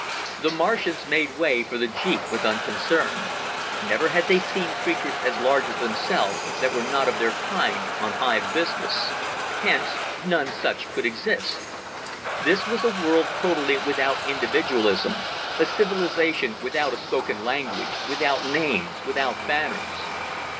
The Martians made way for the jeep with unconcern. Never had they seen creatures as large as themselves that were not of their own kind on hive business. Hence, none such could exist. This was a world totally without individualism, a civilization without a spoken language, without names, without banners.